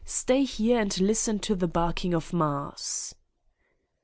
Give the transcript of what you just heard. Stay here and listen to the barking of Mars!"